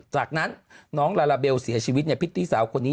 จากนั้นน้องลาลาเบลเสียชีวิตในพริตตี้สาวคนนี้